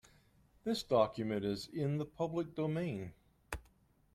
This document is in the public domain.